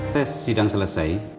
tes sidang selesai